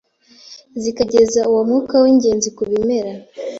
zikageza uwo mwuka w’ingenzi ku bimera